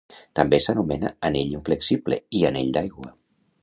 També s'anomena Anell Inflexible i Anell d'Aigua.